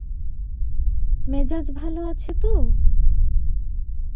মেজাজ ভালো আছে তো?